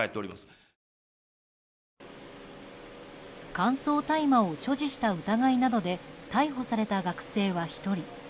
乾燥大麻を所持した疑いなどで逮捕された学生は１人。